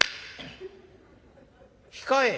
「控え。